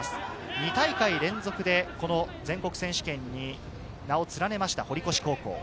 ２大会連続で全国選手権に名を連ねました、堀越高校。